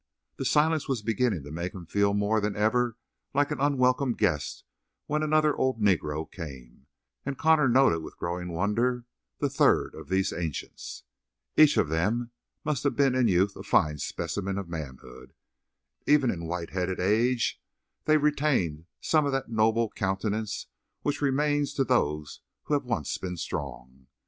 The silence was beginning to make him feel more than ever like an unwelcome guest when another old Negro came, and Connor noted with growing wonder the third of these ancients. Each of them must have been in youth a fine specimen of manhood. Even in white headed age they retained some of that noble countenance which remains to those who have once been strong.